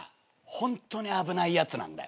ホントに危ないやつなんだよ。